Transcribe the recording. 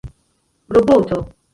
roboto